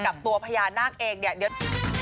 กับตัวพญานาคเองเนี่ย